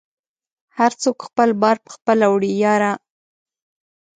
هر څوک خپل بار په خپله وړی یاره